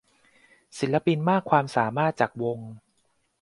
ศิลปินมากความสามารถจากวง